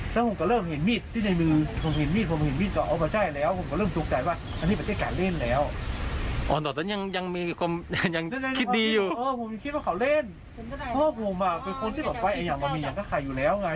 ที่เอาไปก็มีอย่างกันข่ายอยู่แล้วไง